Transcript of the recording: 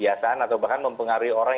apa yang sudah kita percaya kan saat ini